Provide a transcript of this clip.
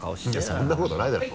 いやそんなことないだろ。